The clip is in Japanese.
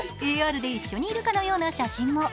ＡＲで一緒にいるかのような写真も。